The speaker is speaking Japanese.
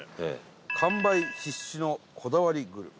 完売必至のこだわりグルメ。